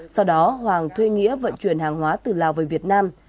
sau đó hoàng thuê nghĩa vận chuyển hàng hóa từ lào về việt nam